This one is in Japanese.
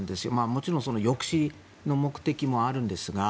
もちろん、抑止の目的もあるんですが。